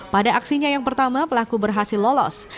pada aksinya yang pertama pelaku berhasil lolos